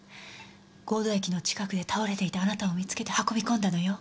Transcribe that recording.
神戸駅の近くで倒れていたあなたを見つけて運び込んだのよ。